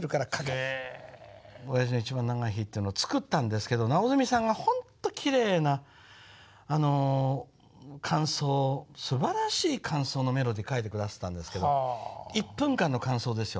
「親父の一番長い日」っていうのを作ったんですけど直純さんがほんときれいな間奏すばらしい間奏のメロディーを書いて下さったんですけど１分間の間奏ですよ。